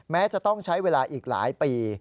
แม้จะต้องใช้เวลาอีกหลายปี